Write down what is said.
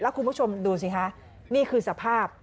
คุณผู้ชมดูสิคะนี่คือสภาพ